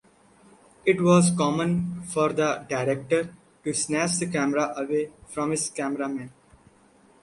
It was common for the director to snatch the camera away from his cameramen.